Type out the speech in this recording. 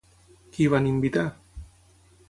Qui hi van invitar?